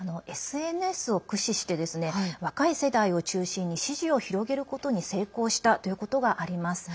ＳＮＳを駆使して若い世代を中心に支持を広げることに成功したということがあります。